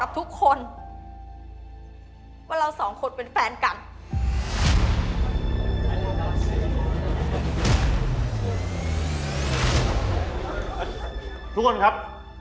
ทุกคนครับ